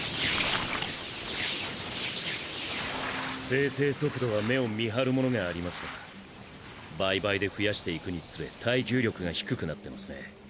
生成速度は目を見張るものがありますが倍々で増やしていくにつれ耐久力が低くなってますね。